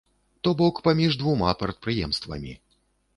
То бок паміж двума прадпрыемствамі.